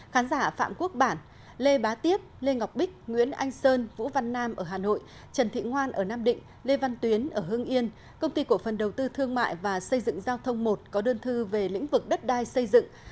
khán giả phạm quốc bản lê bá tiếp lê ngọc bích nguyễn anh sơn vũ văn nam ở hà nội trần thị ngoan ở nam định lê văn tuyến ở hưng yên công ty cổ phần đầu tư thương mại và xây dựng giao thông một có đơn thư về lĩnh vực đất đai xây dựng